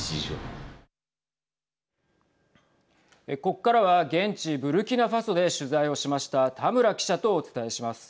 ここからは現地ブルキナファソで取材をしました田村記者とお伝えします。